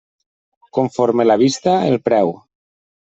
Conforme la vista, el preu.